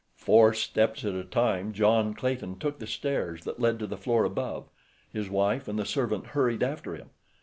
Four steps at a time John Clayton took the stairs that led to the floor above. His wife and the servant hurried after him.